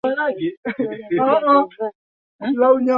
ametangaza nia yake ya kujiuzulu nafasi yake